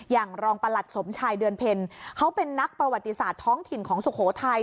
อย่างรองประหลัดสมชายเดือนเพ็ญเขาเป็นนักประวัติศาสตร์ท้องถิ่นของสุโขทัย